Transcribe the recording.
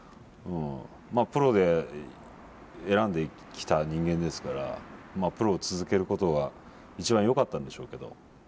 プロで選んできた人間ですからまあプロを続けることが一番よかったんでしょうけど。